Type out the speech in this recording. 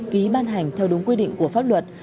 ký ban hành theo đúng quy định của pháp luật